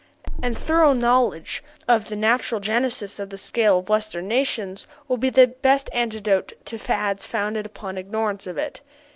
A thorough knowledge of the natural genesis of the scale of western nations will be the best antidote to fads founded upon ignorance of it.